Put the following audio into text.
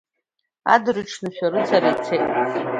Адырҩаҽны шәарацара ицеит.